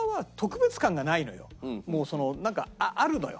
もうそのなんかあるのよ。